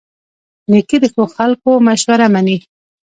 نیکه د ښو خلکو مشوره منې.